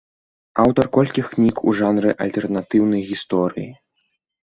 Аўтар колькіх кніг у жанры альтэрнатыўнай гісторыі.